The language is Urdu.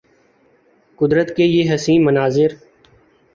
قدرت کے یہ حسین مناظر